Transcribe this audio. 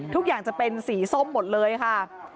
ทุกอย่างจะเป็นสีส้มหมดเลยค่ะ